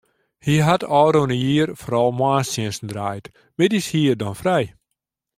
Hy hat ôfrûne jier foaral moarnstsjinsten draaid, middeis hie er dan frij.